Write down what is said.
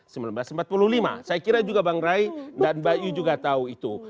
saya kira juga bang rai dan mbak yu juga tahu itu